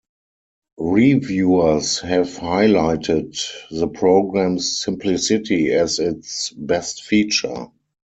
Reviewers have highlighted the program's simplicity as its best feature.